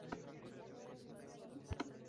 Carlomagno se la devolvió a su padre.